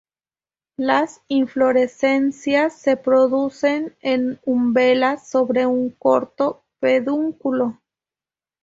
Las inflorescencias se producen en umbelas sobre un corto pedúnculo.